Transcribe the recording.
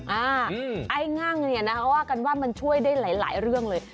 ไอ้งั่งเนี่ยนะคะว่ากันว่ามันช่วยได้หลายเรื่องเลย